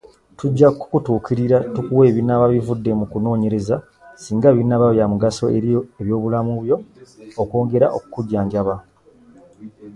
Tujja kukutuukirira tukuwe ebinaaba bivudde mu kunoonyereza singa binaaba bya mugaso eri ebyobulamu byo okwongera okukujjanjaba.